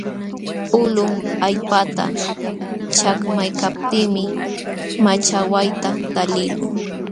Pulun allpata chakmaykaptiimi machawayta taliqluu.